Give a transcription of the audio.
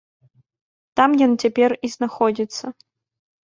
Там ён цяпер і знаходзіцца.